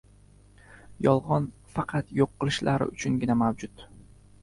Yolg‘on faqat yo‘q qilishlari uchungina mavjud.